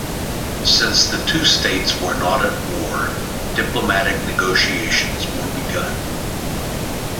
Since the two states were not at war, diplomatic negotiations were begun.